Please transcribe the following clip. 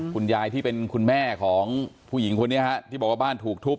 คุณยายที่เป็นคุณแม่ของผู้หญิงคนนี้ฮะที่บอกว่าบ้านถูกทุบ